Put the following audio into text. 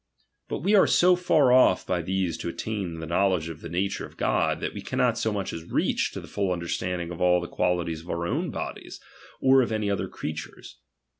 But "We are so far off by these to attain to the know ledge of the nature of God, that we cannot so miich as reach to the full understanding of all the qualities of our own bodies, or of any other crea tures.